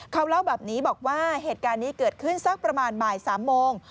เขาเล่าแบบนี้บอกว่าเหตุการณ์นี้เกิดขึ้นสักประมาณบ่าย๓โมง